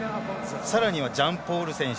さらには、ジャンポール選手。